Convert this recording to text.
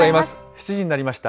７時になりました。